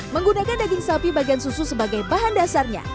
menggunakan daging sapi bagian susu sebagai bahan dasarnya